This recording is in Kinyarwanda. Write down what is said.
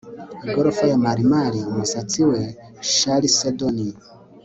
igorofa ya marimari, umusatsi we chalcedony